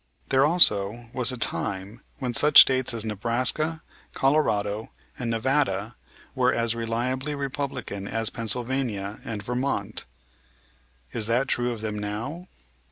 There also was a time when such States as Nebraska, Colorado and Nevada were as reliably Republican as Pennsylvania and Vermont. Is that true of them now?